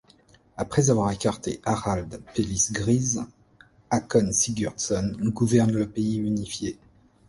Après avoir écarté Harald pelisse grise, Håkon Sigurdsson gouverne le pays unifié.